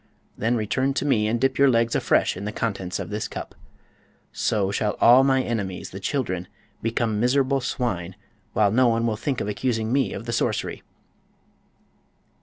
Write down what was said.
Then return to me and dip your legs afresh in the contents of this cup. So shall all my enemies, the children, become miserable swine, while no one will think of accusing me of the sorcery."